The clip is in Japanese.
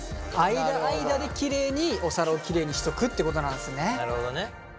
間間でキレイにお皿をキレイにしとくっていうことなんですね。